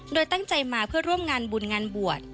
โดยตั้งใจมาเพื่อร่วมงานบุญงานบวช